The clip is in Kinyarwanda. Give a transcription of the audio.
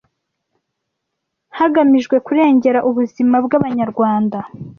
hagamijwe kurengera ubuzima bw’Abanyarwanda